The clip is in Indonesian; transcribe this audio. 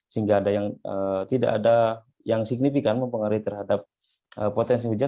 sehingga tidak ada yang signifikan mempengaruhi terhadap potensi hujan